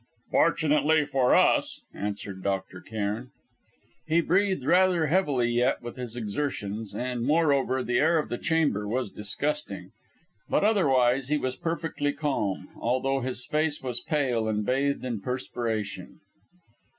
"Fortunately for us!" answered Dr. Cairn. He breathed rather heavily yet with his exertions, and, moreover, the air of the chamber was disgusting. But otherwise he was perfectly calm, although his face was pale and bathed in perspiration.